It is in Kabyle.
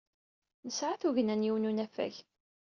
Nesɛa tugna n yiwen n unafag.